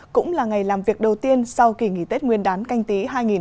cũng là ngày làm việc đầu tiên sau kỳ nghỉ tết nguyên đán canh tí hai nghìn hai mươi